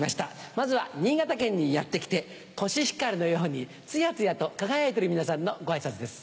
まずは新潟県にやって来てコシヒカリのようにツヤツヤと輝いてる皆さんのご挨拶です。